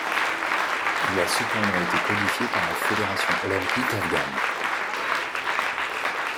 Il a cependant été codifié par la fédération olympique afghane.